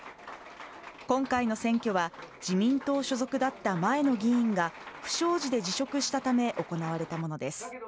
今回の選挙は自民党所属だった前の議員が不祥事で辞職したため行われたものです。